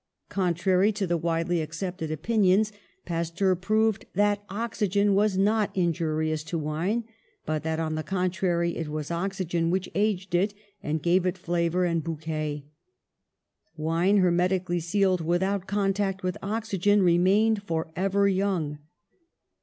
Contrary to the widely accepted opinions, Pas teur proved that oxygen was not injurious to wine, but that, on the contrary, it was oxygen which aged it and gave it flavour and bouquet. Wine hermetically sealed, without contact with oxygen, remained forever young.